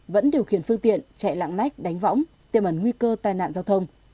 vẫn điều khiển phương tiện chạy lạng nách đánh võng tiêm ẩn nguy cơ tai nạn giao thông